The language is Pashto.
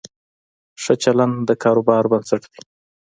ښه چلند د کاروبار بنسټ دی.